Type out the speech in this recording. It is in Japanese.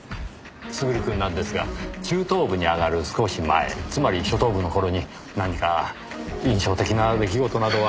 優くんなんですが中等部に上がる少し前つまり初等部の頃に何か印象的な出来事などは。